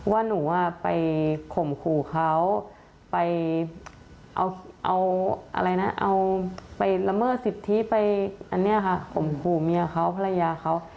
ว่านู้น่ะไปข่มขู่เขาไปเอาอะไรนะไปละเมื่อสิทธิไปข่มขู่พอรรยาเขา